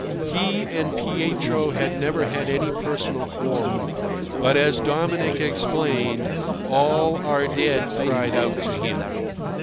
He and Pietro had never had any personal quarrel; but, as Dominic explained, "all our dead cried out to him."